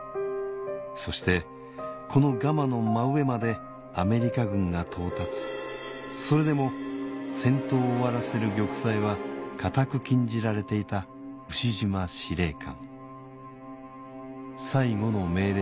そしてこのガマの真上までアメリカ軍が到達それでも戦闘を終わらせる「玉砕」は固く禁じられていた牛島司令官